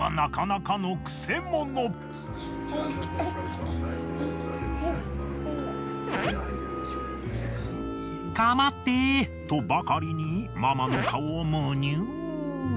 かまってとばかりにママの顔をむにゅ。